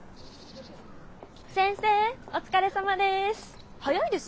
先生お疲れさまでェす。